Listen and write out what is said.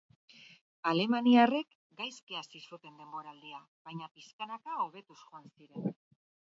Alemaniarrek gaizki hasi zuten denboraldia, baina pixkanaka hobetuz joan ziren.